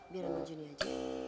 biarin sama jonny aja